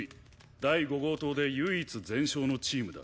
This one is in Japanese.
第伍号棟で唯一全勝のチームだ。